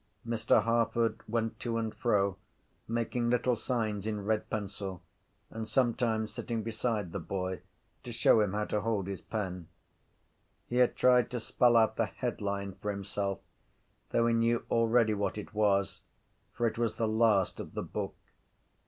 Mr Harford went to and fro making little signs in red pencil and sometimes sitting beside the boy to show him how to hold his pen. He had tried to spell out the headline for himself though he knew already what it was for it was the last of the book.